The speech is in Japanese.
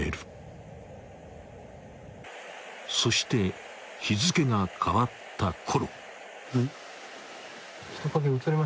［そして日付が変わったころ］